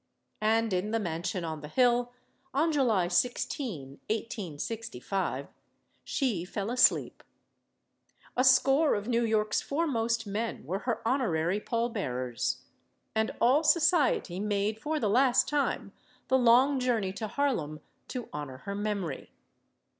And in the mansion on the hill, on July 16, 1865, she fell asleep. A score of New York's foremost men were her honorary pallbearers. And all society made, for the last time, the long journey to Harlem to honor her memory.